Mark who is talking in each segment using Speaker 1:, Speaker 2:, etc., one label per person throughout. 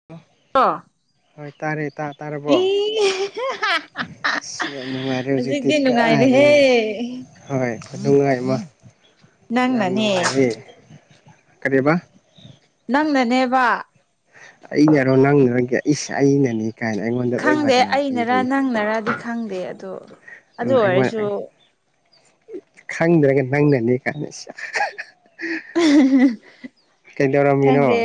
Speaker 1: [unintelligible]
Speaker 2: [unintelligible]
Speaker 1: ꯍꯣꯏ ꯇꯥꯔꯦ ꯇꯥꯥ ꯇꯥꯔꯕꯣ꯫
Speaker 2: ꯑꯦ
Speaker 1: ꯁꯤ ꯌꯥꯝ ꯅꯨꯡꯉꯥꯏꯔꯦ ꯍꯧꯖꯤꯛꯇꯤ ꯀꯥꯏꯔꯦ꯫ ꯍꯣꯏ ꯈꯩꯅꯨꯡꯉꯥꯏ ꯑꯃ ꯌꯥꯝ
Speaker 2: ꯅꯪꯅꯅꯦ
Speaker 1: ꯅꯨꯡꯉꯥꯏꯔꯦ ꯀꯔꯤꯕꯥ꯫
Speaker 2: ꯅꯪꯅꯅꯦꯕ꯫
Speaker 1: ꯑꯩꯅꯔꯣ ꯅꯪꯅꯔꫭ ꯒ꯭ꯌꯥ ꯏꯁ ꯑꯩꯅꯅꯤ ꯀꯥꯏꯅ ꯑꯩꯉꫭꯟ
Speaker 2: ꯈꯪꯗꯦ ꯑꯩꯅꯔ ꯅꯪꯅꯔꯗꯤ ꯈꯪꯗꯦ ꯑꯗꯣ ꯑꯗꯨ
Speaker 1: ꯎꯝ ꯑꯩꯉꯣꯟ
Speaker 2: ꯑꯣꯏꯔꯁꯨ
Speaker 1: [unintelligible] ꯈꯪꯗ꯭ꯔꯒ ꯅꯪꯅꯅꯦ ꯀꯥꯏꯅ ꯁ꯭ꯌꯥ꯫
Speaker 2: [unintelligible]
Speaker 1: ꯀꯩꯗꯧꯔꯝꯃꯤꯅꯣ
Speaker 2: ꯈꯪꯗꯦ꯫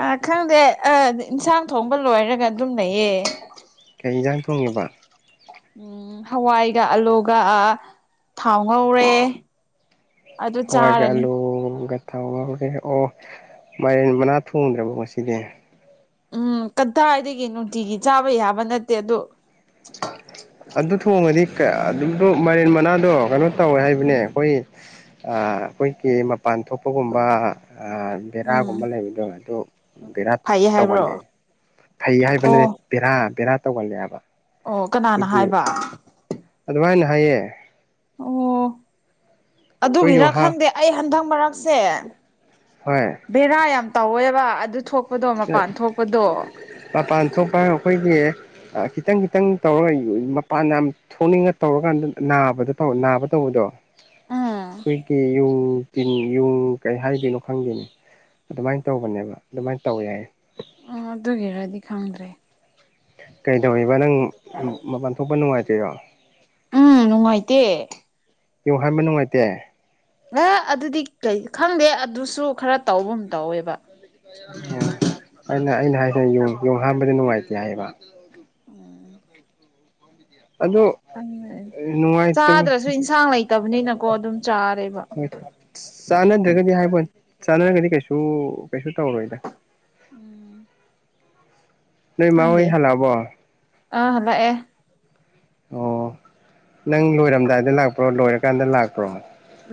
Speaker 2: ꯑ ꯈꯪꯗꯦ ꯑ ꯏꯟꯁꯥꯡ ꯊꯣꯡꯕ ꯂꯣꯏꯔꯒ ꯑꯗꯨꯝ ꯂꯩꯌꯦ꯫
Speaker 1: ꯀꯩ ꯍꯤꯟꯖꯥꯡ ꯊꯣꯡꯉꯤꯕ꯫
Speaker 2: ꯎꯝ ꯍꯋꯥꯏꯒ ꯑꯂꯨꯒ ꯊꯥꯎ ꯉꯧꯔꯦ꯫ ꯑꯗꯨ
Speaker 1: ꯍꯋꯥꯏꯒ
Speaker 2: ꯆꯥꯔꯅꯤ
Speaker 1: ꯑꯂꯨꯒ ꯊꯥꯎ ꯉꯔꯦ ꯑꯣ ꯃꯥꯏꯔꯦꯟ ꯃꯅꯥ ꯊꯣꯡꯗ꯭ꯔꯕꯣ ꯉꯁꯤꯗꯤ꯫
Speaker 2: ꯎꯝ ꯀꯗꯥꯏꯗꯒꯤ ꯅꯨꯡꯇꯤꯒꯤ ꯆꯥꯕ ꯌꯥꯕ ꯅꯠꯇꯦ ꯑꯗꯨ꯫
Speaker 1: ꯑꯗꯨ ꯊꯣꯡꯉꯗꯤ ꯀꯩ ꯑ ꯑꯗꯨꯗꯣ ꯃꯥꯏꯔꯦꯟ ꯃꯅꯥꯗꯣ ꯀꯩꯅꯣ ꯇꯧꯋꯦ ꯍꯥꯏꯕꯅꯦ
Speaker 2: ꯎꯝ
Speaker 1: ꯑꯈꯣꯏ ꯑ ꯈꫭꯏꯒꯤ ꯃꯄꯥꯟ ꯊꯣꯛꯄꯒꯨꯝꯕꯥ ꯑ
Speaker 2: ꯎꯝ
Speaker 1: ꯕꯦꯔꯥꯒꯨꯝꯕ ꯂꯩꯕꯗꯣ ꯑꯗꯨ ꯕꯦꯔꯥ
Speaker 2: ꯐꯩꯌꯦ ꯍꯥꯏꯕ꯭ꯔꯣ
Speaker 1: ꯇꯧꯒꯜꯂ ꯐꯩ ꯍꯥꯏꯕꯅꯦ꯫
Speaker 2: ꯑꯣ
Speaker 1: ꯕꯦꯔꯥ ꯕꯦꯔꯥ ꯇꯧꯒꯜꯂꯦ ꯍꯥꯏꯕ꯫
Speaker 2: ꯑꯣ ꯀꯅꯥꯅ ꯍꯥꯏꯕ꯫
Speaker 1: ꯑꯗꯨꯃꯥꯏꯅ ꯍꯥꯏꯌꯦ꯫
Speaker 2: ꯑꯣ
Speaker 1: ꯑꯩꯈꯣꯏꯒꯤ
Speaker 2: ꯑꯗꯨꯒꯤꯔꯥ
Speaker 1: ꯍꯥ
Speaker 2: ꯈꯪꯗꯦ ꯑꯩ ꯍꯟꯗꯛ ꯃꯔꯛꯁꯦ
Speaker 1: ꯍꯣꯏ꯫
Speaker 2: ꯕꯦꯔꯥ ꯌꯥꯝ ꯇꯧꯋꯦꯕ ꯑꯗꯨ ꯊꯣꯛ
Speaker 1: [unintelligible] ꯃꯄꯥꯟ ꯊꯣꯛꯄ ꯍꯥꯏꯔ ꯑꯈꯣꯏꯒꯤ ꯑ ꯈꯤꯇꯪ-ꯈꯤꯇꯪ ꯇꯧꯔꯒ ꯃꯄꯥꯟ ꯌꯥꯝ ꯊꯣꯛꯅꯤꯡꯉ ꯇꯧꯔꯀꯥꯟꯗ ꯅꯥꯕꯗ ꯇꯧ ꯅꯥꯕ ꯇꯧꯕꯗꯣ
Speaker 2: ꯑꯣ
Speaker 1: ꯑꯈꯣꯏꯒꯤ ꯌꯨꯡ ꯇꯤꯟ ꯌꯨꯡ ꯀꯩ ꯍꯥꯏꯗꯣꯏꯅꯣ ꯈꯪꯗꯦꯅꯤ ꯑꯗꯨꯃꯥꯏꯅ ꯇꯧꯕꯅꯦꯕ ꯑꯗꯨꯃꯥꯏꯟ ꯇꯧꯋꯦ ꯌꯥꯏ ꯫
Speaker 2: ꯑꯣ ꯗꯨꯒꯤꯔꯗꯤ ꯈꯪꯗ꯭ꯔꯦ꯫
Speaker 1: ꯀꯩꯗꯧꯔꯤꯕ ꯅꯪ ꯃꯄꯥꯟꯊꯣꯛꯄ ꯅꯨꯡꯉꯥꯏꯇꯔ꯭ꯤꯔꯣ꯫
Speaker 2: ꯎꯝ ꯅꯨꯡꯉꯥꯏꯇꯦ
Speaker 1: ꯌꯦꯡ ꯍꯥꯟꯕ ꯅꯨꯡꯉꯥꯏꯇꯦ꯫
Speaker 2: ꯑ ꯑꯗꯨꯗꯤ ꯀꯩ ꯈꯪꯗꯦ ꯑꯗꯨꯁꯨ ꯈꯔ ꯇꯧꯕꯝ ꯇꯧꯋꯦꯕ꯫
Speaker 1: ꯑꯣ ꯑꯩꯅ ꯑꯩꯅ ꯍꯥꯏꯁꯤꯅ ꯌꯨꯡ ꯌꯨꯡ ꯍꯥꯟꯕꯗꯤ ꯅꯨꯡꯉꯥꯏꯇꯦ ꯍꯥꯏꯌꯦꯕ꯫
Speaker 2: ꯑꯣ
Speaker 1: ꯑꯗꯨ
Speaker 2: ꯈꯪꯉꯦ ꯆꯥꯗ꯭ꯔꯁꯨ ꯏꯟꯁꯥꯡ ꯂꯩꯇꯕꯅꯤꯅꯀꯣ ꯑꯗꯨꯝ ꯆꯥꯔꯦꯕ꯫
Speaker 1: ꯆꯥꯟꯅꯗ꯭ꯔꯒꯗꯤ ꯍꯥꯏꯕ ꯆꯥꯟꯅꯔꯒꯗꯤ ꯀꯩꯁꯨ ꯀꯩꯁꯨ ꯇꯧꯔꯣꯏꯗ꯫
Speaker 2: ꯎꯝ
Speaker 1: ꯅꯣꯏ ꯃꯥ ꯍꯣꯏ
Speaker 2: ꯈꯪꯗꯦ
Speaker 1: ꯍꯜꯂꯛꯑꯕꯣ
Speaker 2: ꯑꯥ ꯍꯜꯂꯛ ꯑꯦ
Speaker 1: ꯑꯣ ꯅꯪ ꯂꯣꯏꯔꯝꯗꯥꯏꯗ ꯂꯥꯛꯄ꯭ꯔꯣ ꯂꯣꯏꯔꯀꯥꯟꯗ ꯂꯥꯛꯄ꯭ꯔꯣ꯫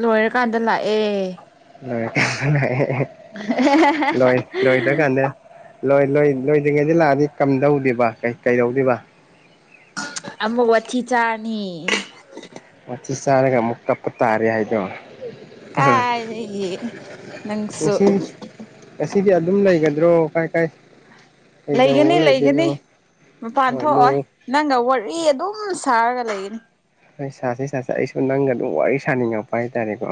Speaker 2: ꯂꯣꯏꯔꯀꯥꯟꯗ ꯂꯥꯛꯑꯦ
Speaker 1: ꯂꯣꯏꯔꯀꯥꯟꯗ ꯂꯣꯏ ꯂꯣꯏꯗ ꯀꯥꯟꯗ ꯂꯣꯏ ꯂꯣꯏ ꯂꯣꯏꯗ꯭ꯔꯤꯉꯩꯗꯤ ꯂꯥꯛꯑꯗꯤ ꯀꯝꯗꯧꯗꯤꯕꯥ ꯀꯩꯗꯧꯗꯣꯏꯕ꯫
Speaker 2: ꯑꯃꯨꯛ ꯋꯥꯊꯤ ꯆꯥꯔꯅꯤ꯫
Speaker 1: ꯋꯥꯊꯤ ꯆꯥꯔꯒ ꯑꯃꯨꯛ ꯀꯞꯄ ꯇꯥꯔꯦ ꯍꯥꯏꯗꯣ꯫
Speaker 2: ꯀꯥꯏꯗꯒꯤ ꯅꯪꯁꯨ
Speaker 1: ꯉꯁꯤ ꯉꯁꯤꯗꯤ ꯑꯗꯨꯝ ꯂꯩꯒꯗ꯭ꯔꯣ ꯀꯥꯏ ꯀꯥꯏ ꯀꯩꯗꯧ
Speaker 2: ꯂꯩꯒꯅꯤ ꯂꯩꯒꯅꯤ
Speaker 1: ꯂꯩꯗꯣꯏꯅꯣ
Speaker 2: ꯃꯄꯥꯟ
Speaker 1: ꯍꯣꯏ ꯅꯣꯡ
Speaker 2: ꯊꯣꯛꯑꯣꯏ ꯅꯪꯒ ꯋꯥꯔꯤ ꯑꯗꯨꯝ ꯁꯥꯔꯒ ꯂꯩꯒꯅꯤ꯫
Speaker 1: ꯍꯣꯏ ꯁꯥꯁꯤ ꯁꯥꯁꯤ ꯑꯩꯁꯨ ꯅꯪꯒ ꯑꯗꯨꯝ ꯋꯥꯔꯤ ꯁꯥꯅꯤꯡꯉꯛꯄ ꯍꯥꯏꯇꯥꯔꯦꯀꯣ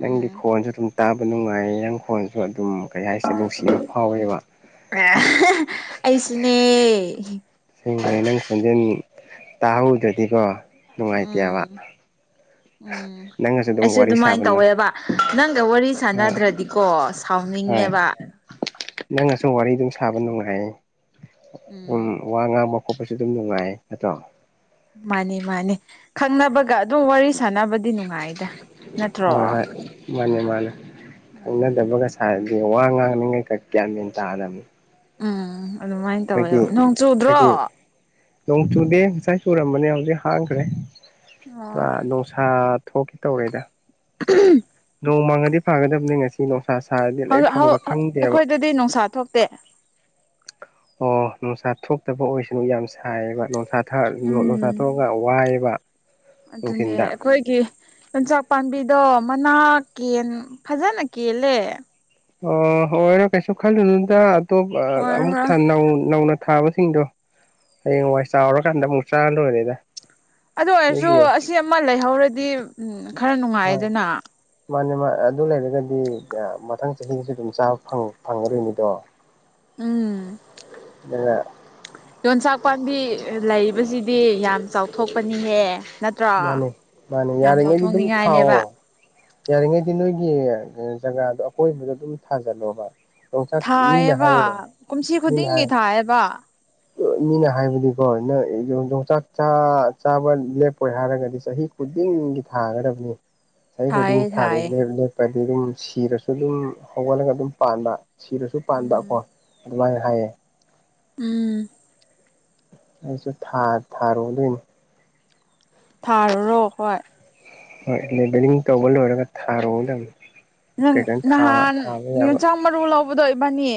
Speaker 1: ꯅꯪꯒꯤ
Speaker 2: ꯎꯝ
Speaker 1: ꯈꯣꯟꯁꯨ ꯑꯗꯨꯝ ꯇꯥꯕ ꯅꯨꯡꯉꯥꯏ ꯅꯪꯈꯣꯟꯁꯨ ꯑꯗꯨꯝ ꯀꯩ ꯍꯥꯏꯁꯦ ꯅꯨꯡꯁꯤꯕ ꯐꯥꯎꯋꯦꯕ꯫
Speaker 2: ꯑ ꯑꯩꯁꯨꯅꯦ
Speaker 1: ꯑꯁꯦꯡꯕꯩ ꯅꯪ ꯈꯣꯟꯖꯦꯟ ꯇꯥꯍꯧꯗ꯭ꯔꯗꯤꯀꯣ ꯅꯨꯡꯉꯥꯏꯇꯦꯕ
Speaker 2: ꯎꯝ ꯎꯝ
Speaker 1: ꯅꯪꯒꯁꯨ ꯑꯗꯨꯝ
Speaker 2: ꯑꯩꯁꯨ
Speaker 1: ꯋꯥꯔꯤ
Speaker 2: ꯑꯗꯨꯃꯥꯏꯟ
Speaker 1: ꯁꯥꯕꯅ
Speaker 2: ꯇꯧꯋꯦꯕ꯫ ꯅꯪꯒ ꯋꯥꯔꯤ ꯁꯥꯟꯅꯗ꯭ꯔꯗꯤꯀꯣ ꯁꯥꯎꯅꯤꯡꯉꯦꯕ꯫
Speaker 1: ꯅꯪꯉꯁꯨ ꯋꯥꯔꯤ ꯗꯨꯝ ꯁꯥꯕ ꯅꯨꯡꯉꯥꯏ
Speaker 2: ꯎꯝ
Speaker 1: ꯗꯨꯝ ꯋꯥ ꯉꯥꯡꯕ ꯈꯣꯠꯄꯁꯨ ꯑꯗꯨꯝ ꯅꯨꯡꯉꯥꯏꯌꯦ ꯅꯠꯗ꯭ꯔꯣ꯫
Speaker 2: ꯃꯥꯅꯤ ꯃꯥꯅꯤ ꯈꯪꯅꯕꯒ ꯑꯗꯨꯝ ꯋꯥꯔꯤ ꯁꯥꯟꯅꯕ
Speaker 1: ꯍꯣꯏ ꯍꯣꯏ ꯃꯥꯅꯦ ꯃꯥꯅꯦ ꯍꯩꯅ
Speaker 2: ꯎꯝ
Speaker 1: ꯇꯕꯒ ꯁꯥꯔꯗꯤ ꯋꯥ ꯉꯥꯡꯅꯤꯡꯉꯩ ꯀ ꯒꯌ꯭ꯥꯟ ꯃꯦꯟ ꯇꯥꯗꯝꯅꯤ꯫
Speaker 2: ꯎꯝ ꯑꯗꯨꯃꯥꯏ꫰ꯇꯧꯋꯦ ꯅꯣꯡ ꯆꯨꯗ꯭ꯔꯣ꯫
Speaker 1: ꯑꯩꯈꯣꯏꯒꯤ ꯅꯣꯡ ꯆꯨꯗꯦ ꯉꯁꯥꯏ ꯆꯨꯔꯝꯕꯅꯦ ꯍꯧꯖꯤꯛ ꯍꯥꯡꯈ꯭ꯔꯦ
Speaker 2: ꯑꯣ
Speaker 1: ꯄꯨꯔꯥ ꯅꯣ ꯁꯥꯥ ꯊꯣꯛꯀꯦ ꯇꯧꯔꯦꯗ꯫
Speaker 2: [inaudible]
Speaker 1: ꯅꯣꯡ ꯃꯡꯉꯗꯤ ꯐꯥꯒꯗꯕꯅꯤ ꯉꯁꯤ ꯅꯨꯡꯁꯥ ꯁꯥꯔꯗꯤ ꯂꯩꯐꯝꯒ ꯈꯪꯗꯦꯕ꯫
Speaker 2: ꯗꯨꯏ ꯅꯨꯪꯁꯥ ꯊꯣꯛ ꯇꯦ꯫
Speaker 1: ꯑꯣ ꯅꯨꯡꯁꯥ ꯊꯣꯛꯇꯕ ꯑꯣꯏꯁꯅꯨ ꯌꯥꯝ ꯁꯥꯏꯌꯦꯕ ꯅꯣꯡꯁꯥ ꯊ ꯅꯨꯡꯁꯥ
Speaker 2: ꯎꯝ
Speaker 1: ꯊꯣꯛꯑꯒ ꯋꯥꯏꯑꯦꯕ꯫
Speaker 2: ꯑꯗꯨꯅꯦ
Speaker 1: ꯅꯨꯡꯊꯤꯟꯗ
Speaker 2: ꯑꯩꯈꯣꯏꯒꯤ ꯌꯣꯟꯆꯥꯛ ꯄꯥꯝꯕꯤꯗꯣ ꯃꯅꯥ ꯀꯦꯟ ꯐꯖꯅ ꯀꯦꯜꯂꯦ
Speaker 1: ꯑ ꯑꯣꯏꯔꯣ ꯀꯩꯁꯨ ꯈꯜꯅꯨꯗ ꯑꯇꯣꯞ ꯄ ꯑꯃꯨꯛ
Speaker 2: ꯑꯣꯏꯔꯔꯣꯏ
Speaker 1: ꯊꯟ ꯅꯧꯅ ꯊꯥꯕꯁꯤꯡꯗꯣ ꯍꯌꯦꯡꯋꯥꯏ ꯆꯥꯎꯔꯀꯥꯟꯗ ꯑꯃꯨꯛ ꯆꯥꯔ ꯂꯣꯏꯔꯦꯗ
Speaker 2: ꯑꯗꯨ ꯑꯣꯏꯔꯁꯨ
Speaker 1: ꯂꯩꯕꯤꯌꯣ
Speaker 2: ꯑꯁꯤ ꯑꯃ ꯂꯩꯍꯧꯔꯗꯤ ꯎꯝ ꯈ꯭ꯔ
Speaker 1: ꯍꯣꯏ
Speaker 2: ꯅꯨꯡꯉꯥꯏꯗꯅ
Speaker 1: ꯃꯥꯅꯦ ꯃꯥ ꯑꯗꯨ ꯂꯩꯔꯒꯗꯤ ꯑꯥ ꯃꯊꯪ ꯆꯍꯤꯗꯁꯨ ꯑꯗꯨꯝ ꯆꯥꯕ ꯐꯪ ꯐꯪꯒꯗꯣꯏꯅꯤꯗꯣ
Speaker 2: ꯎꯝ
Speaker 1: ꯑꯗꯨꯅ
Speaker 2: ꯌꯣꯟꯆꯥꯛ ꯄꯥꯝꯕꯤ ꯂꯩꯕꯁꯤꯗꯤ ꯌꯥꯝ ꯆꯥꯎꯊꯣꯛꯄꯅꯤꯍꯦ ꯅꯠꯇ꯭ꯔꯣ
Speaker 1: ꯃꯥꯅꯦ ꯃꯥꯅꯦ
Speaker 2: ꯌꯥꯝ
Speaker 1: ꯌꯥꯔꯤꯉꯩꯗꯤ ꯑꯗꯨꯝ
Speaker 2: ꯆꯥꯎꯊꯣꯛꯅꯤꯡꯉꯥꯏꯅꯦꯕ
Speaker 1: ꯊꯥꯎꯑꯣ ꯌꯥꯔꯤꯉꯩꯗꯤ ꯅꯣꯏꯒꯤ ꯖꯒꯥꯗꯣ ꯑꯀꯣꯏꯕꯗ ꯑꯗꯨꯝ ꯊꯥꯖꯜꯂꯣꯕ ꯌꯣꯡꯆꯥꯛ ꯃꯤꯅ
Speaker 2: ꯊꯥꯏꯌꯦꯕ
Speaker 1: ꯍꯥꯏꯌꯦ
Speaker 2: ꯀꯨꯝꯁꯤ
Speaker 1: ꯃꯤꯅ
Speaker 2: ꯈꯨꯗꯤꯡꯒꯤ
Speaker 1: ꯍꯥꯏ
Speaker 2: ꯊꯥꯏꯌꯦꯕ
Speaker 1: ꯃꯤꯅ ꯍꯥꯏꯕꯗꯤꯀꯣ ꯅꯣꯢ ꯌꯣꯟ ꯌꯣꯡꯆꯥꯛ ꯆꯥ ꯆꯥꯕ ꯂꯦꯞꯄꯣꯏ ꯍꯥꯏꯔꯒꯗꯤ ꯆꯍꯤ ꯈꯨꯗꯤꯡꯒꯤ ꯊꯥꯒꯗꯕꯅꯤ ꯆꯍꯤ ꯈꯨꯗꯤꯡꯒꯤ
Speaker 2: ꯊꯥꯏꯌꯦ
Speaker 1: ꯊꯥꯗ
Speaker 2: ꯊꯥꯏꯌꯦ
Speaker 1: ꯂꯞ ꯂꯦꯞꯄꯗꯤ ꯑꯗꯨꯝ ꯁꯤꯔꯁꯨ ꯑꯗꯨꯝ ꯍꯧꯒꯠꯂꯒ ꯑꯗꯨꯝ ꯄꯥꯟꯕ ꯁꯤꯔꯁꯨ ꯄꯥꯥꯟꯗꯥ
Speaker 2: ꯎꯝ
Speaker 1: ꯀꯣ ꯑꯗꯨꯃꯥꯏ ꯍꯥꯏꯌꯦ
Speaker 2: ꯎꯝ
Speaker 1: ꯑꯩꯁꯨ ꯊꯥ ꯊꯥꯔꯣꯗꯣꯏꯅꯤ
Speaker 2: ꯊꯥꯔꯨꯔꯣ ꯍꯣꯏ
Speaker 1: ꯍꯣꯏ ꯂꯦꯕꯦꯂꯤꯡ ꯇꯧꯕ ꯂꯣꯏꯔꯒ ꯊꯥꯔꯣꯗꯝꯅꯤ
Speaker 2: ꯅꯪ ꯅꯍꯥꯟ
Speaker 1: ꯌꯥꯕ
Speaker 2: ꯌꯣꯟꯆꯥꯛ ꯃꯔꯨ ꯂꯧꯕꯗꯣ ꯢꯕꯥꯅꯤ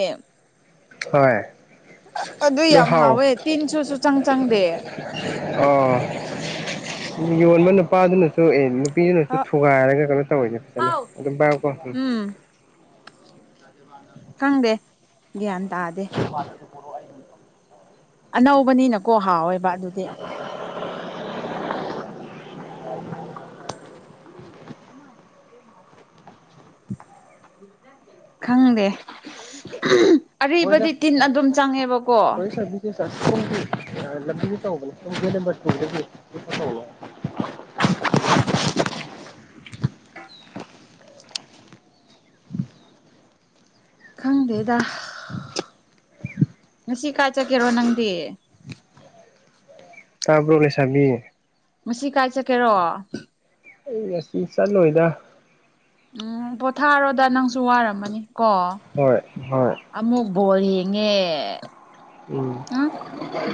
Speaker 1: ꯍꯣꯏ
Speaker 2: ꯑꯗꯨ ꯌꯥꯝ ꯍꯥꯎꯋꯦ ꯇꯤꯟꯁꯨ ꯁꯨꯆꯪ ꯆꯪꯗꯦ
Speaker 1: ꯑꯣ [unintelligible] ꯌꯣꯟꯕ ꯅꯨꯄꯥꯗꯨꯅ ꯇꯣꯛꯑꯦ ꯅꯨꯄꯤꯗꯨꯅꯁꯨ ꯊꯨꯒꯥꯏꯔꯒ ꯀꯅꯣ ꯇꯧꯋꯤꯅꯦ ꯐꯖꯅ
Speaker 2: ꯑꯥꯎ
Speaker 1: ꯑꯗꯨꯝ ꯕꯥꯔ ꯀꯣ ꯎꯝ
Speaker 2: ꯈꯪꯗꯦ ꯒ꯭ꯌꯥꯟ ꯇꯥꯗꯦ
Speaker 1: ꯅꯨꯄꯥꯅꯖꯨ
Speaker 2: ꯑꯅꯧꯕꯅꯤꯅꯀꯣ ꯍꯥꯎꯋꯦꯕ ꯑꯗꯨꯗꯤ
Speaker 1: [unintelligible]
Speaker 2: [unintelligible] [unintelligible] ꯈꯪꯗꯦ
Speaker 1: ꯍꯣꯏ
Speaker 2: ꯑꯔꯤꯕꯗꯤ
Speaker 1: ꯁꯥꯔ
Speaker 2: ꯇꯤꯟ ꯑꯗꯨꯝ ꯆꯪꯉꯦꯕꯀꯣ
Speaker 1: [unintelligible] ꯂꯝꯕꯤꯗ ꯇꯧꯕꯅꯤ ꯁꯣꯝ ꯒꯦꯠ ꯅꯝꯕꯔ ꯇꯨꯒꯤ [unintelligible]
Speaker 2: ꯎꯝ
Speaker 1: [unintelligible]
Speaker 2: ꯈꯪꯗꯦꯗ ꯉꯁꯤ ꯀꯥꯏ ꯆꯠꯀꯦꯔꯣ ꯅꯪꯗꯤ
Speaker 1: ꯇꯥꯕ꯭ꯔꯣ ꯂꯩꯁꯥꯕꯤ
Speaker 2: ꯉꯁꯤ ꯀꯥꯏ ꯆꯠꯀꯦꯔꯣ
Speaker 1: ꯑꯩ ꯉꯁꯤ ꯆꯠꯂꯣꯏꯗ
Speaker 2: ꯎꯝ ꯄꯣꯊꯥꯔꯣꯗ ꯅꯪꯁꯨ ꯋꯥꯔꯝꯃꯅꯤ ꯀꯣ
Speaker 1: ꯍꯣꯏ ꯍꯣꯏ
Speaker 2: ꯑꯃꯨꯛ ꯕꯣꯜ ꯌꯦꯡꯉꯦ
Speaker 1: ꯎꯝ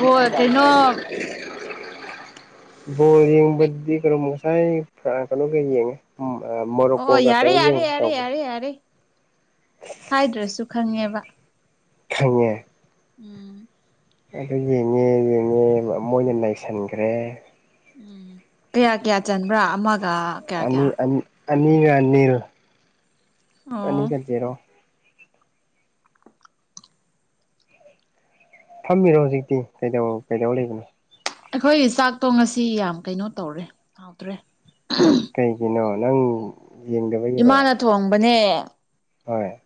Speaker 2: ꯕꯣꯜ ꯀꯩꯅꯣ
Speaker 1: ꯕꯣꯜ ꯌꯦꯡꯕꯗꯤ ꯀꯩꯔꯣꯝ ꯉꯁꯥꯏ ꯐ꯭ꯔꯥꯁ ꯀꯅꯣ ꯒ ꯌꯦꯡꯉꯦ [unintelligible] ꯃꯣꯔꯣꯀꯣ ꯒ ꯀꯩꯅꯣꯒ ꯌꯦꯡ ꯇꯕꯗꯣ
Speaker 2: ꯌꯥꯔꯤ ꯍꯥꯏꯗ꯭ꯔꯁꯨ ꯈꯪꯉꯦꯕ
Speaker 1: ꯈꯪꯉꯦ
Speaker 2: ꯎꯝ
Speaker 1: ꯑꯩꯁꯩ ꯌꯦꯡꯉꯦ ꯌꯦꯡꯉꯦ ꯃꯣꯏꯅ ꯅꯩꯁꯟꯈ꯭ꯔꯦ
Speaker 2: ꯎꯝ ꯀꯌꯥ ꯀꯌꯥ ꯆꯟꯕ꯭ꯔꯥ ꯑꯃꯒ ꯀꯌꯥ
Speaker 1: ꯑꯅꯤ
Speaker 2: ꯀꯌꯥ
Speaker 1: ꯑꯅꯤ ꯑꯅꯤꯔ ꯑꯅꯤꯔ
Speaker 2: ꯑꯣ
Speaker 1: ꯑꯅꯤꯔꯛ ꯖꯦꯔꯣ ꯐꯝꯃꯤꯔꯣ ꯍꯧꯖꯤꯛꯇꯤ ꯀꯩꯗ ꯀꯩꯗꯧ ꯂꯩꯕꯅꯣ
Speaker 2: ꯑꯩꯈꯣꯏꯒꯤ ꯆꯥꯛꯇꯣ ꯉꯁꯤ ꯌꯥꯝ ꯀꯩꯅꯣ ꯇꯧꯔꯦ ꯍꯥꯎꯇ꯭ꯔꯦ
Speaker 1: ꯀꯩꯒꯤꯅꯣ ꯅꯪ ꯌꯦꯡꯗꯕꯒꯤꯔꯣ
Speaker 2: ꯏꯃꯥꯅ ꯊꯣꯡꯕꯅꯦ
Speaker 1: ꯍꯣꯏ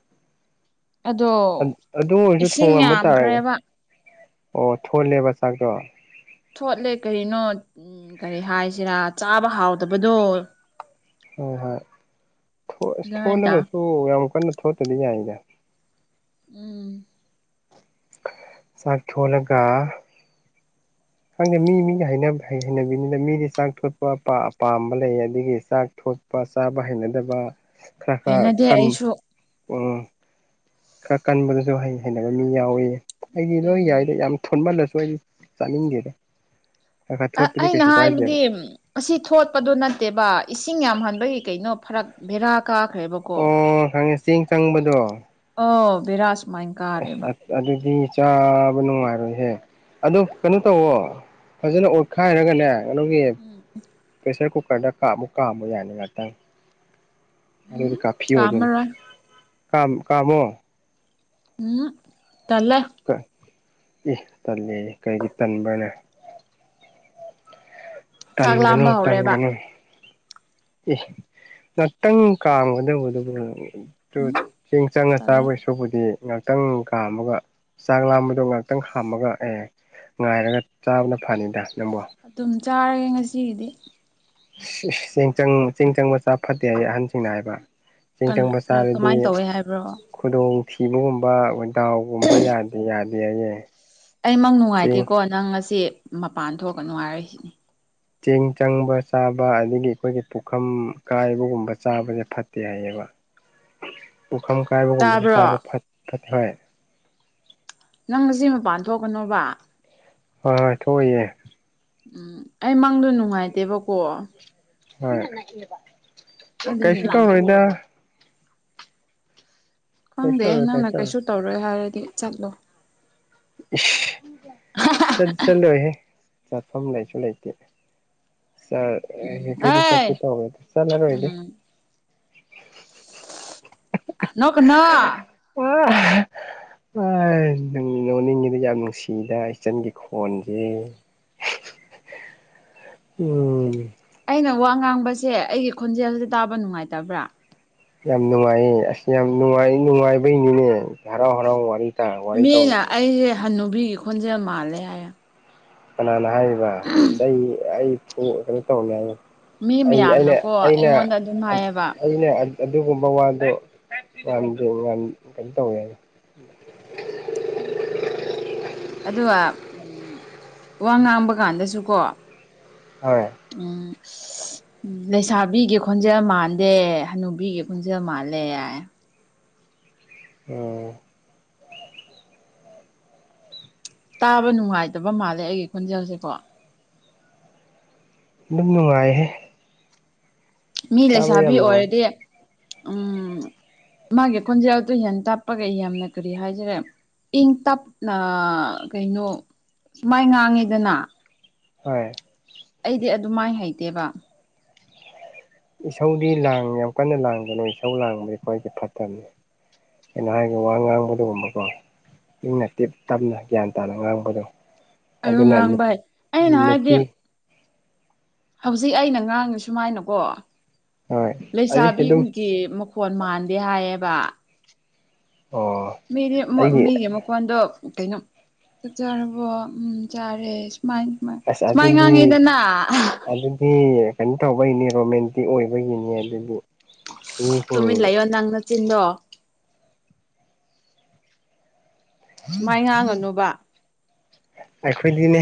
Speaker 2: ꯑꯗꯣ
Speaker 1: ꯑꯗꯨ ꯑꯣꯏꯔꯁꯨ
Speaker 2: ꯏꯁꯤꯡ
Speaker 1: ꯊꯣꯡꯉꯝꯕ ꯇꯥꯔꯒ
Speaker 2: ꯌꯥꯝꯈ꯭ꯔꯦꯕ
Speaker 1: ꯑꯣ ꯊꯣꯜꯂꯦꯕ ꯆꯥꯛꯇꯣ
Speaker 2: ꯊꯣꯠꯂꯦ ꯀꯔꯤꯅꯣ ꯀꯔꯤ ꯍꯥꯏꯁꯤꯔꯥ ꯆꯥꯕ ꯍꯥꯎꯗꯕꯗꯣ
Speaker 1: ꯍꯣꯏ ꯍꯣꯏ
Speaker 2: ꯑꯗꯨꯃꯥꯏꯅ ꯇꯧ
Speaker 1: ꯊꯣꯂꯒꯁꯨ ꯌꯥꯝ ꯀꯟꯅ ꯊꯣꯠꯇꯗꯤ ꯌꯥꯏꯗ
Speaker 2: ꯎꯝ
Speaker 1: ꯆꯥꯛ ꯊꯣꯠꯂꯒ ꯈꯪꯗꯦ ꯃꯤ ꯃꯤꯒꯤ ꯍꯩꯅ ꯍꯩꯅꯕꯤꯅꯤꯅ ꯃꯤꯗꯤ ꯆꯥꯛ ꯊꯣꯠꯄ ꯑꯄꯥꯝꯕ ꯂꯩ ꯑꯗꯒꯤ ꯆꯥꯛ ꯊꯣꯄ ꯄ ꯆꯥꯕ ꯍꯩꯅꯗꯕ ꯈꯔ ꯈꯔ
Speaker 2: ꯍꯩꯅꯗꯦ
Speaker 1: ꯀꯟ
Speaker 2: ꯑꯩꯁꯨ
Speaker 1: ꯈꯔ ꯀꯟꯕꯗꯁꯨ ꯍꯩ ꯍꯩꯅꯕ ꯃꯤ ꯌꯥꯎꯏꯤ ꯑꯩꯗꯤ ꯂꯣꯏ
Speaker 2: ꯎꯝ
Speaker 1: ꯌꯥꯏꯗ ꯌꯥꯝ ꯊꯣꯠꯃꯜꯂꯁꯨ ꯑꯩ ꯆꯥꯅꯤꯡꯗꯦꯗ ꯈꯔ ꯈꯔ
Speaker 2: ꯑ
Speaker 1: ꯊꯣꯠꯄꯗꯤ
Speaker 2: ꯑꯩꯅ
Speaker 1: ꯀꯩꯁꯨ ꯀꯥꯏꯗꯦꯕ
Speaker 2: ꯍꯥꯏꯕꯗꯤ ꯑꯁꯤ ꯊꯣꯠꯄꯗꯨ ꯅꯠꯇꯦꯕ ꯏꯁꯤꯡ ꯌꯥꯝꯍꯟꯕꯒꯤ ꯀꯩꯅꯣ ꯐꯔꯛ ꯕꯦꯔꯥ ꯀꯥꯈ꯭ꯔꯦꯕ
Speaker 1: ꯑꯣ ꯍꯪꯉꯦ ꯆꯦꯡ ꯆꯪꯕꯗꯣ
Speaker 2: ꯑꯣ ꯕꯤꯔꯥꯁ
Speaker 1: ꯑꯁ ꯑꯗꯨꯗꯤ ꯆꯥꯕ ꯅꯨꯡꯉꯥꯏꯔꯣꯏꯍꯦ ꯑꯗꯨꯣ ꯀꯩꯅꯣ ꯇꯧꯋꯣ ꯐꯖꯅ ꯑꯣꯠꯈꯥꯏꯔꯒꯅꯦ ꯀꯩꯅꯣꯒꯤ
Speaker 2: ꯎꯝ
Speaker 1: ꯄ꯭ꯔꯦꯁꯔ ꯀꯨꯀꯔꯗ ꯀꯥꯞ ꯑꯃꯨꯛ ꯀꯥꯝꯕ ꯌꯥꯅꯤ ꯉꯥꯛꯇꯪ ꯑꯗꯨꯗꯤ
Speaker 2: ꯎꯝ
Speaker 1: ꯀꯥꯞꯐꯤ ꯑꯣꯏꯗꯣꯏꯅꯤ
Speaker 2: ꯀꯥꯝꯃꯔꯣꯏ
Speaker 1: ꯀ ꯀꯥꯃꯣ
Speaker 2: ꯎꯝ ꯇꯜꯂꯦ
Speaker 1: ꯀ ꯏ ꯇꯜꯂꯦꯌꯦ ꯀꯔꯤꯒꯤ ꯇꯟꯕ꯭ꯔꯅꯦ
Speaker 2: ꯆꯥꯛ
Speaker 1: ꯇꯟꯒꯅꯨ
Speaker 2: ꯂꯥꯝꯕ ꯍꯧꯔꯦꯕ
Speaker 1: ꯇꯟꯒꯅꯨ ꯑꯦ ꯉꯥꯛꯇꯪ ꯀꯥꯝꯒꯗꯧꯕꯗꯨꯕꯨ
Speaker 2: ꯎꯝ
Speaker 1: ꯆꯦꯡ ꯆꯪꯉ ꯆꯥꯕ
Speaker 2: ꯇꯜꯂꯦ
Speaker 1: ꯑꯣꯏꯁꯨ ꯑꯗꯨꯕꯨꯗꯤ ꯉꯍꯥꯛꯇꯪ ꯀꯥꯝꯃꯒ ꯆꯥꯛ ꯂꯥꯝꯕꯗꯣ ꯉꯥꯏꯍꯥꯛꯇꯪ ꯍꯥꯝꯃꯒ ꯑꯦ ꯉꯥꯏꯔꯒ ꯆꯥꯕꯅ ꯐꯅꯤꯗ ꯅꯪꯕꯨ
Speaker 2: ꯑꯗꯨꯝ ꯆꯥꯔꯒꯦ ꯉꯁꯤꯒꯤꯗꯤ
Speaker 1: ꯆꯦꯡ ꯆꯪ ꯆꯦꯡ ꯆꯪꯕ ꯆꯥ ꯐꯠꯇꯦ ꯍꯥꯏ ꯑꯍꯟꯁꯤꯡꯅ ꯍꯥꯏꯕ ꯆꯤꯡ
Speaker 2: ꯀꯅꯥ
Speaker 1: ꯆꯪꯕꯁꯥ ꯆꯥꯔꯗꯤ
Speaker 2: ꯀꯃꯥꯏꯅ ꯇꯧꯋꯦ ꯍꯥꯏꯕ꯭ꯔꯣ
Speaker 1: ꯈꯨꯗꯣꯡꯊꯤꯕꯒꯨꯝꯕ ꯗꯥꯎꯒꯨꯝꯕ ꯌꯥꯗꯦ ꯌꯥꯗꯦ ꯍꯥꯏꯌꯦ
Speaker 2: ꯑꯩ ꯃꯪ
Speaker 1: ꯆꯦꯡ
Speaker 2: ꯅꯨꯡꯉꯥꯏꯇꯦꯀꯣ ꯅꯪ ꯉꯁꯤ ꯃꯄꯥꯟ ꯊꯣꯛꯀꯅꯨ ꯍꯥꯏꯔꯤꯁꯤꯅꯤ
Speaker 1: ꯆꯦꯡ ꯆꯪꯕ ꯆꯥꯕ ꯑꯗꯒꯤ ꯑꯩꯈꯣꯏꯒꯤ ꯄꯨꯈꯝ ꯀꯥꯏꯕꯒꯨꯝꯕ ꯆꯥꯕꯁꯦ ꯐꯠꯇꯦ ꯍꯥꯏꯌꯦꯕ ꯄꯨꯈꯝ ꯀꯥꯏꯕꯒꯨꯝꯕꯁꯨ
Speaker 2: ꯇꯥꯕ꯭ꯔꯣ
Speaker 1: ꯆꯥꯕ ꯐꯠ ꯐꯠꯇꯦ ꯍꯥꯏ
Speaker 2: ꯅꯪ ꯉꯁꯤ ꯃꯄꯥꯟ ꯊꯣꯛꯀꯅꯣꯕ
Speaker 1: ꯍꯣꯏ ꯍꯣꯏ ꯊꯣꯛꯑꯣꯏꯌꯦ
Speaker 2: ꯎꯝ ꯑꯩ ꯃꯪꯗꯣ ꯅꯨꯡꯉꯥꯏꯇꯦꯕꯀꯣ
Speaker 1: ꯍꯣꯏ ꯀꯩꯁꯨ ꯀꯩꯁꯨ
Speaker 2: ꯑꯗꯨꯒꯤꯅꯦꯗ
Speaker 1: ꯇꯧꯔꯣꯏꯗ
Speaker 2: ꯈꯪꯗꯦ ꯅꯪꯅ ꯀꯩꯁꯨ ꯇꯧꯔꯣꯏ ꯍꯥꯏꯔꯗꯤ ꯆꯠꯂꯣ
Speaker 1: ꯏꯁ ꯆꯠ ꯆꯠꯂꯣꯏꯍꯦ ꯆꯠꯐꯝ ꯂꯩꯁꯨ ꯂꯩꯇꯦ ꯆꯔ ꯍ
Speaker 2: ꯎꯝ
Speaker 1: [unintelligible]
Speaker 2: ꯑꯦ
Speaker 1: ꯇꯧꯔꯁꯨ ꯆꯠꯂ ꯔꯣꯏꯗ
Speaker 2: ꯎꯝ ꯑꯥ ꯅꯣꯛꯀꯥꯅꯣ
Speaker 1: [unintelligible] ꯅꯣꯅꯤꯡꯉꯤꯗꯤ ꯌꯥꯝ ꯅꯨꯡꯁꯤꯗ ꯏꯆꯟꯒꯤ ꯈꯣꯟꯖꯦ ꯎꯝ
Speaker 2: ꯑꯩꯅ ꯋꯥ ꯉꯥꯡꯕꯁꯦ ꯑꯩꯒꯤ ꯈꯣꯟꯖꯦꯜꯁꯤ ꯇꯥꯕ ꯅꯨꯡꯉꯥꯏꯇꯕ꯭ꯔꯥ
Speaker 1: ꯌꯥꯝ ꯅꯨꯡꯉꯥꯏꯌꯦ ꯑꯁ ꯌꯥꯝ ꯅꯨꯡꯉꯥꯏ ꯅꯨꯡꯉꯥꯏꯕꯩꯅꯤꯅꯦ ꯍꯔꯥꯎ ꯍꯔꯥꯎ ꯋꯥꯔꯤ ꯇꯥ ꯋꯥꯔꯤ
Speaker 2: ꯃꯤꯅꯦ
Speaker 1: ꯇꯧꯔꯤꯁꯦ
Speaker 2: ꯑꯩꯁꯦ ꯍꯟꯅꯨꯕꯤꯒꯤ ꯈꯣꯟꯖꯦꯜ ꯃꯥꯜꯂꯦ ꯍꯥꯏꯌꯦ
Speaker 1: ꯀꯅꯥꯅ ꯍꯥꯏꯔꯤꯕ ꯆꯩ ꯑꯩ ꯐꯨ ꯀꯩꯅꯣ ꯇꯧꯅꯤ ꯍꯥꯏ
Speaker 2: ꯃꯤ
Speaker 1: ꯑꯩ ꯑꯩꯅꯦ
Speaker 2: ꯃꯌꯥꯝꯅꯀꯣ
Speaker 1: ꯑꯩꯅ
Speaker 2: ꯑꯩꯉꯣꯟꯗ ꯑꯗꯨꯝ ꯍꯥꯏꯌꯦꯕ
Speaker 1: ꯑꯩꯅ ꯑꯗꯨꯒꯨꯝꯕ ꯋꯥꯗꯣ ꯋꯥꯟ ꯗꯨ ꯋꯥꯟ ꯀꯩꯟ ꯇꯧꯋꯦ [unintelligible]
Speaker 2: ꯑꯗꯨꯒ ꯎꯝ ꯋꯥ ꯉꯥꯡꯕ ꯀꯥꯟꯗꯁꯨꯀꯣ
Speaker 1: ꯍꯣꯏ
Speaker 2: ꯑꯥ ꯎ ꯂꯩꯁꯥꯕꯤꯒꯤ ꯈꯣꯟꯖꯦꯜ ꯃꯥꯟꯗꯦ ꯍꯅꯨꯕꯤꯒꯤ ꯈꯣꯟꯖꯦꯜ ꯃꯥꯜꯂꯦ ꯌꯥꯏ
Speaker 1: ꯑꯣ
Speaker 2: ꯇꯥꯕ ꯅꯨꯡꯉꯥꯏꯇꯕ ꯃꯥꯜꯂꯦ ꯑꯩꯒꯤ ꯈꯣꯟꯖꯦꯜꯁꯦꯀꯣ
Speaker 1: ꯑꯗꯨꯝ ꯅꯨꯡꯉꯥꯏꯍꯦ
Speaker 2: ꯃꯤ
Speaker 1: ꯇꯥꯕ
Speaker 2: ꯂꯩꯁꯥꯕꯤ
Speaker 1: ꯌꯥꯝ ꯅꯨꯡꯉꯥꯏ
Speaker 2: ꯑꯣꯏꯔꯗꯤ ꯎꯝ ꯃꯥꯒꯤ ꯈꯣꯟꯖꯦꯜꯗꯨ ꯍꯟ ꯇꯥꯞꯄꯒ ꯑꯩ ꯌꯥꯝꯅ ꯀꯔꯤ ꯍꯥꯏꯖꯔꯦ ꯏꯪ ꯇꯞꯅ ꯀꯩꯅꯣ ꯁꯨꯃꯥꯏ ꯉꯥꯡꯉꯤꯗꯅ
Speaker 1: ꯍꯣꯏ
Speaker 2: ꯑꯩꯗꯤ ꯑꯗꯨ ꯃꯥꯏ ꯍꯩꯇꯦꯕ
Speaker 1: ꯏꯁꯧꯗꯤ ꯂꯥꯡ ꯌꯥꯝ ꯀꯟꯅ ꯂꯥꯡꯕꯅꯦ ꯏꯁꯧ ꯂꯥꯡꯕꯗꯤ ꯈ꯭ꯋꯥꯏꯗꯤ ꯐꯠꯇꯕꯅꯤ ꯑꯩꯅ ꯍꯥꯏꯒ ꯋꯥ ꯉꯥꯡꯕꯗꯨꯒꯨꯝꯕꯀꯣ ꯏꯪꯅ ꯇꯤꯞ ꯇꯞꯅ ꯒ꯭ꯌꯥꯟ ꯇꯥꯅ ꯉꯥꯡꯕꯗꯣ
Speaker 2: ꯑꯗꯨ
Speaker 1: ꯑꯗꯨꯅ ꯅꯨꯞ
Speaker 2: ꯉꯥꯡꯕ ꯑꯩꯅ ꯍꯥꯏꯕꯗꯤ
Speaker 1: ꯅꯨꯄꯤ
Speaker 2: ꯍꯧꯖꯤꯛ ꯑꯩꯅ ꯉꯥꯡꯉ ꯁꯨꯃꯥꯏꯅꯀꯣ
Speaker 1: ꯍꯣꯏ ꯑꯩ ꯑꯗꯨꯝ
Speaker 2: ꯂꯩꯁꯥꯕꯤꯒꯤ ꯃꯨꯛ ꯐꯣꯟ ꯃꯥꯟꯗꯦ ꯍꯥꯏꯌꯦꯕ
Speaker 1: ꯑꯣ
Speaker 2: ꯃꯤꯔꯦꯞ ꯃꯥ
Speaker 1: ꯑꯩꯒꯤ
Speaker 2: ꯃꯤꯒꯤ ꯃꯨꯛ ꯀꯋ꯭ꯟꯗꯣ ꯀꯩꯅꯣ ꯆꯥꯛ ꯆꯔꯕꯣ ꯎꯝ ꯆꯥꯔꯦ ꯁꯨꯃꯥꯏꯟ
Speaker 1: ꯑꯁ ꯑꯗꯨꯅꯤ ꯑꯗꯨꯗꯤ ꯀꯩꯏꯟ ꯇꯧꯕꯩꯅꯦꯕꯥ ꯃꯦꯟꯇꯤꯛ ꯑꯣꯏꯕꯒꯤꯅꯤ ꯑꯗꯨꯕꯨ
Speaker 2: ꯇꯨꯃꯤꯟ ꯂꯩꯌꯣ ꯅꯪꯅꯆꯤꯟꯗꯣ ꯁꯨꯃꯥꯏ ꯉꯥꯡꯒꯅꯨꯕ
Speaker 1: ꯑꯩꯈꯣꯏꯗꯤꯅꯦ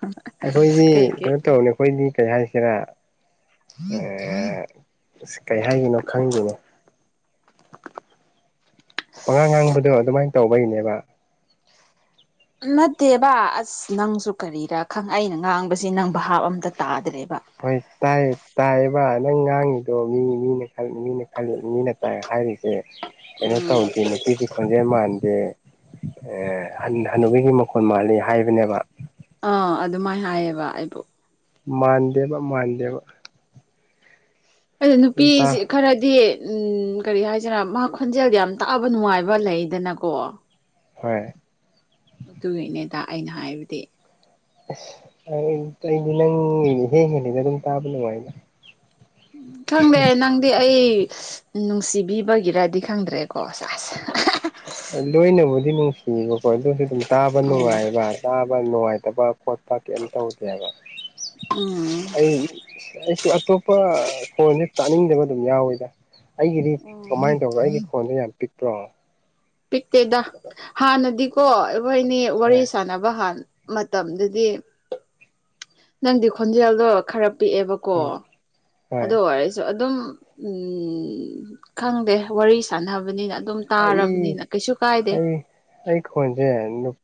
Speaker 2: ꯍ
Speaker 1: ꯑꯩꯈꯣꯏꯗꯤ ꯀꯩꯅꯣ ꯇꯧꯅꯤ ꯑꯩꯈꯣꯏꯗꯤ ꯀꯩ ꯍꯥꯏꯁꯤꯔꯥ ꯑ ꯏꯁ ꯀꯩ ꯍꯥꯏꯒꯤꯅꯣ ꯈꯪꯗꯦꯅꯦ ꯄꯉꯥꯡ ꯉꯥꯡꯕꯗꯣ ꯑꯗꯨꯃꯥꯏꯟ ꯇꯧꯕꯩꯅꯦꯕ
Speaker 2: ꯅꯠꯇꯦꯕ ꯑꯁ ꯑꯁ ꯅꯪꯁꯨ ꯀꯔꯤꯔꯥ ꯈꯪ ꯑꯩꯅ ꯉꯥꯡꯕꯁꯤ ꯅꯪ ꯚꯥꯞ ꯑꯝꯇ ꯇꯥꯗ꯭ꯔꯦꯕ
Speaker 1: ꯍꯣꯏ ꯇꯥꯏꯌꯦ ꯇꯥꯏꯌꯦꯕ ꯅꯪ ꯉꯥꯡꯉꯤꯗꯣ ꯃꯤ ꯃꯤꯅ ꯈꯜ ꯃꯤꯅꯥ ꯈꯜꯂꯤ ꯃꯤꯅ ꯇꯥꯏ ꯍꯥꯏꯔꯤꯁ ꯇꯦ ꯀꯩꯅꯣ
Speaker 2: ꯎꯝ
Speaker 1: ꯇꯧꯗꯦ ꯅꯨꯄꯤꯒꯤ ꯈꯣꯟꯖꯦꯜ ꯃꯥꯟ ꯗꯦ ꯑꯦ ꯍꯟ ꯍꯅꯨꯕꯤꯒꯤ ꯃꯈꯣꯟꯜ ꯃꯥꯜꯂꯤ ꯍꯥꯏꯕꯅꯦꯕ
Speaker 2: ꯑꯥ ꯑꯗꯨꯃꯥꯏ ꯍꯥꯏꯌꯦꯕ ꯑꯩꯕꯨ
Speaker 1: ꯃꯥꯟꯗꯦꯕ ꯃꯥꯟꯗꯦꯕ
Speaker 2: ꯑꯗꯨ
Speaker 1: ꯑꯗꯨꯝ ꯇꯥ
Speaker 2: ꯅꯨꯄꯤꯖꯤ ꯈꯔꯗꯤ ꯎꯝ ꯀꯔꯤ ꯍꯥꯏꯁꯤꯔꯥ ꯃꯥ ꯈꯣꯟꯖꯦꯜ ꯌꯥꯝ ꯇꯥꯕ ꯅꯨꯡꯉꯥꯏꯕ ꯂꯩꯗꯅꯀꯣ
Speaker 1: ꯍꯣꯏ
Speaker 2: ꯑꯗꯨꯒꯤꯅꯦꯗꯥ ꯑꯩꯅ ꯍꯥꯏꯕꯗꯤ
Speaker 1: ꯑꯁ ꯑꯩ ꯑꯩꯗꯤ ꯅꯪ ꯏꯍꯦꯟ ꯍꯦꯂꯤꯗꯥ ꯑꯗꯨꯝ ꯇꯥꯕ ꯅꯨꯡꯉꯥꯏꯅ
Speaker 2: ꯎꯝ ꯈꯪꯗꯦ ꯅꯪ ꯗꯤ ꯑꯩ ꯅꯨꯡꯁꯤꯕꯤꯕꯒꯤꯔꯥꯗꯤ ꯈꯪꯗ꯭ꯔꯦꯀꯣ ꯑꯁ ꯑꯁ
Speaker 1: ꯂꯣꯏꯅꯕꯨꯗꯤ ꯅꯨꯡꯁꯤꯌꯦꯕꯀꯣ ꯑꯗꯨꯁꯨ ꯑꯗꯨꯝ ꯇꯥꯕ
Speaker 2: ꯎꯝ
Speaker 1: ꯅꯨꯡꯉꯥꯏꯕ ꯇꯥꯕ ꯅꯨꯡꯉꯥꯏꯇꯕ ꯈꯣꯠꯄ ꯀꯩꯝ ꯇꯧꯗꯦ ꯍꯥꯏꯕ ꯑꯩ ꯏꯁ ꯑꯩꯁꯨ ꯑꯇꯣꯞꯄ ꯐꯣꯟꯅꯤ ꯇꯥꯅꯤꯡꯗꯕ ꯑꯗꯨꯝ ꯌꯥꯎꯋꯤꯗꯥ ꯑꯩꯒꯤꯗꯤ
Speaker 2: ꯎꯝ
Speaker 1: ꯀꯃꯥꯏꯟ ꯇꯧꯕ꯭ꯔꯥ ꯑꯩꯒꯤ ꯈꯣꯟꯗꯣ ꯌꯥꯝ ꯄꯤꯛꯄ꯭ꯔꯣ
Speaker 2: ꯄꯤꯛꯇꯦꯗꯥ ꯍꯥꯟꯅꯗꯤꯀꯣ ꯑꯩꯈꯣꯏꯅꯤ ꯋꯥꯔꯤ
Speaker 1: ꯍꯣꯏ
Speaker 2: ꯁꯥꯟꯅꯕ ꯍꯥꯟ ꯃꯇꯝꯗꯨꯗꯤ ꯅꯪꯗꯤ ꯈꯣꯟꯖꯦꯜꯗꯣ ꯈꯔ ꯄꯤꯛꯑꯦꯕꯀꯣ
Speaker 1: ꯍꯣꯏ ꯍꯣꯏ
Speaker 2: ꯑꯗꯨ ꯑꯣꯏꯔꯁꯨ ꯑꯗꯨꯝ ꯎꯝ ꯈꯪꯗꯦ ꯋꯥꯔꯤ ꯁꯥꯟꯅꯕꯅꯤꯅ ꯑꯗꯨꯝ
Speaker 1: ꯑꯩ
Speaker 2: ꯇꯥꯔꯕꯅꯤꯅ ꯀꯩꯁꯨ ꯀꯥꯏꯗꯦ
Speaker 1: ꯑꯩ ꯑꯩ ꯈꯣꯟꯖꯦꯟ ꯅꯨꯞ